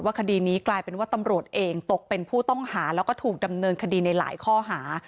คดีนี้กลายเป็นว่าตำรวจเองตกเป็นผู้ต้องหาแล้วก็ถูกดำเนินคดีในหลายข้อหา